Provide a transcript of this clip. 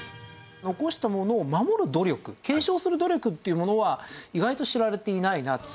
残したものを守る努力継承する努力っていうものは意外と知られていないなと。